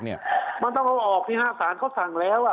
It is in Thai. มันต้องเอาออกสิฮะสารเขาสั่งแล้ว